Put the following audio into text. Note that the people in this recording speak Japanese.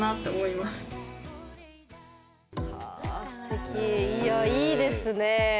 いやいいですねぇ。